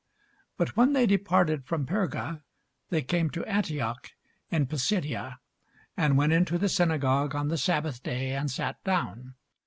But when they departed from Perga, they came to Antioch in Pisidia, and went into the synagogue on the sabbath day, and sat down.